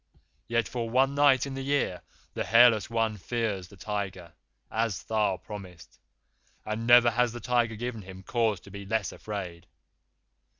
Yet for one night in the year the Hairless One fears the Tiger, as Tha promised, and never has the Tiger given him cause to be less afraid.